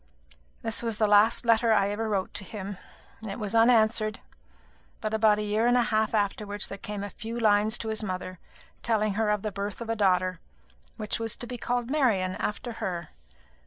This was the last letter I ever wrote to him. It was unanswered; but about a year and a half afterwards there came a few lines to his mother, telling her of the birth of a daughter, which was to be called Marian, after her.